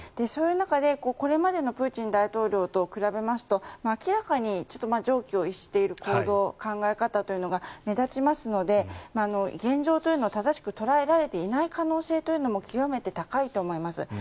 そういう中でこれまでのプーチン大統領と比べますと明らかに常軌を逸している行動考え方というのが目立ちますので現状というのは正しく捉えられていない可能性も極めて高いと思います。